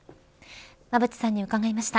馬渕さんに伺いました。